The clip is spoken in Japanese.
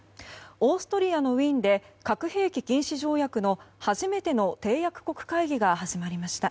オーストリアのウィーンで核兵器禁止条約の初めての締約国会議が始まりました。